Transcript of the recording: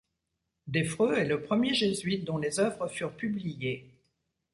Des Freux est le premier jésuite, dont les œuvres furent publiées.